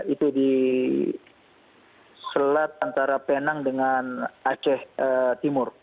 itu di selat antara penang dengan aceh timur